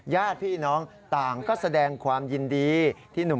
เขาบอกว่าเขาถูกเลขจริงไม่เชื่อ